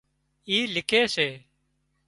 اِي لِکي سي